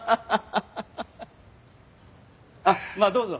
あっまあどうぞ。